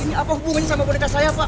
ini apa hubungannya sama boneka saya pak